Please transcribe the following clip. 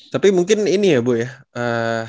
tapi mungkin ini ya bu ya